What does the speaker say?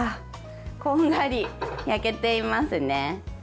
こんがり焼けていますね。